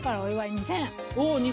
２，０００。